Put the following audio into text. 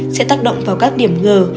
sẽ tác động vào các điểm ngờ